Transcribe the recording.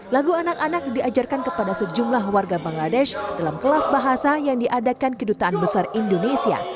lagu anak anak diajarkan kepada sejumlah warga bangladesh dalam kelas bahasa yang diadakan kedutaan besar indonesia